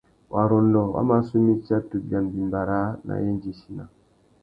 Warrôndô wa mà su mitsa tu bia mbîmbà râā nà yêndzichina.